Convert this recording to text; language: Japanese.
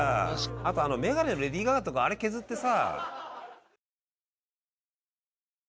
あとあのメガネのレディー・ガガとかあれ削ってさ。